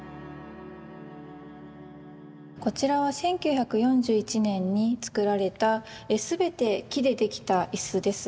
こちらは１９４１年に作られた全て木でできた椅子です。